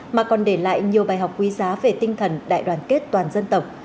mà còn để lại nhiều bài học quý giá về tinh thần đại đoàn kết toàn dân tộc